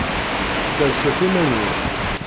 Sserset iman-nwen.